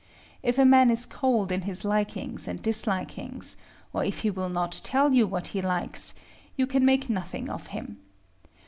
If a man is cold in his likings and dislikings, or if he will not tell you what he likes, you can make nothing of him.